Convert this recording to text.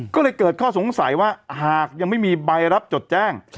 ก็เลยเกิดข้อสงสัยว่าหากยังไม่มีใบรับจดแจ้ง